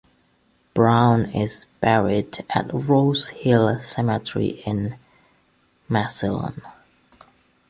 Brown is buried at Rose Hill Cemetery in Massillon.